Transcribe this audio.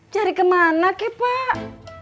cari kemana ke pak